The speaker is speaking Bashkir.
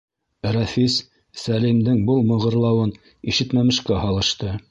Рәфис Сәлимдең был мығырланыуын ишетмәмешкә һалышты.